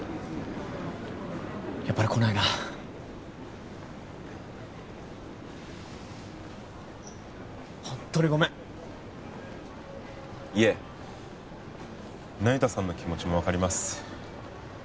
やっぱり来ないなホントにごめんいえ那由他さんの気持ちも分かります